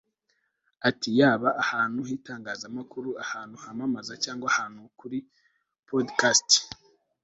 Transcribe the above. Ati Yaba ahantu hitangazamakuru ahantu hamamaza cyangwa ahantu kuri podcast